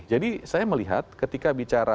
jadi saya melihat ketika bidul dan jel